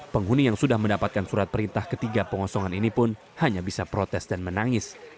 penghuni yang sudah mendapatkan surat perintah ketiga pengosongan ini pun hanya bisa protes dan menangis